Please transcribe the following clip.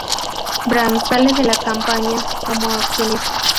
Brands sale de la compañía como accionista.